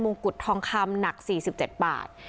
งกุฎทองคำหนัก๔๗บาท